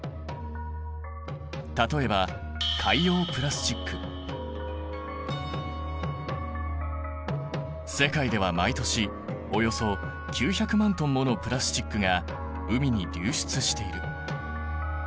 例えば世界では毎年およそ９００万トンものプラスチックが海に流出している。